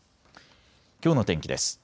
きょうの天気です。